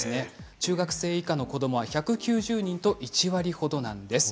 中学生以下の子どもは１９０人と１割ほどなんです。